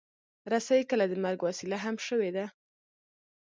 رسۍ کله د مرګ وسیله هم شوې ده.